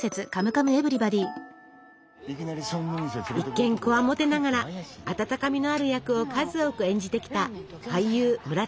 一見こわもてながら温かみのある役を数多く演じてきた俳優村田雄浩さん。